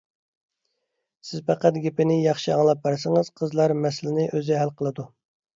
سىز پەقەت گېپىنى ياخشى ئاڭلاپ بەرسىڭىز، قىزلار مەسىلىنى ئۆزى ھەل قىلىدۇ.